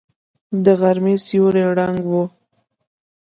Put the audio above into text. د غرمې سیوری ړنګ و.